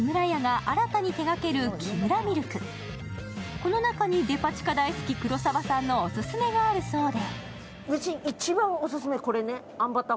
この中にデパ地下大好き黒沢さんのオススメがあるそうで。